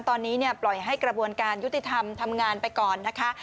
ตอนนี้ปล่อยให้กระบวนการยุติธรรมทำงานไปก่อนนะคะ